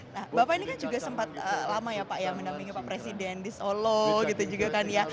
nah bapak ini kan juga sempat lama ya pak ya mendampingi pak presiden di solo gitu juga kan ya